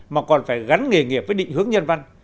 mà còn phải gắn nghề nghiệp với định hướng nhân văn